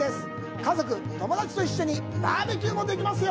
家族や友達と一緒にバーベキューもできますよ。